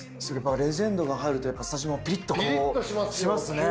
レジェンドが入るとやっぱスタジオもピリっとしますね。